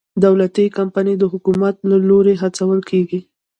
دولتي کمپنۍ د حکومت له لوري هڅول کېدې.